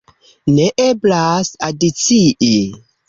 Ne eblas adicii.